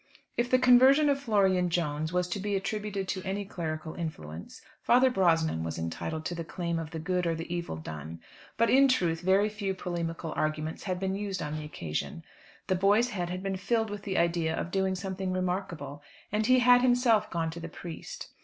If the conversion of Florian Jones was to be attributed to any clerical influence, Father Brosnan was entitled to claim the good or the evil done; but in truth very few polemical arguments had been used on the occasion. The boy's head had been filled with the idea of doing something remarkable, and he had himself gone to the priest.